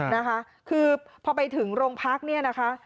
นะคะคือพอไปถึงโรงพักเนี่ยนะคะ